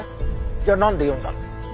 じゃあなんで呼んだの？